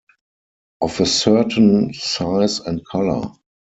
Of a certain size and color.